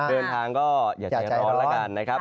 เดินทางก็อย่าใจร้อนแล้วกันนะครับ